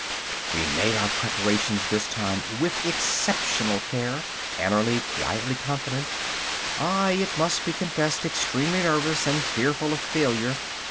We made our preparations this time with exceptional care, Annerly quietly confident, I, it must be confessed, extremely nervous and fearful of failure.